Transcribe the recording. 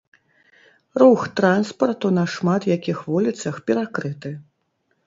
Рух транспарту на шмат якіх вуліцах перакрыты.